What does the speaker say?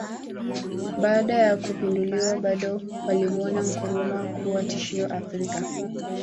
Baada ya kupinduliwa bado walimuona Nkrumah kuwa tishio Afrika